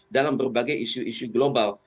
dalam berbagai isu isu global